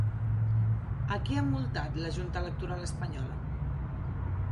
A qui ha multat la Junta Electoral espanyola?